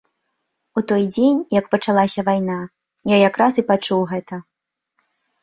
У той дзень, як пачалася вайна, я якраз і пачуў гэта.